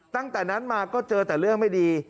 ตั้งแต่นั้นมาก็เจอแต่เรื่องไม่ดี